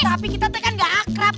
tapi kita tuh kan gak akrab